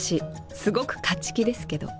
すごく勝ち気ですけど。